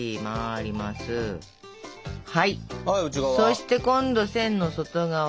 そして今度線の外側。